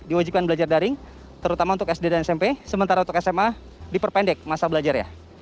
diwajibkan belajar daring terutama untuk sd dan smp sementara untuk sma diperpendek masa belajarnya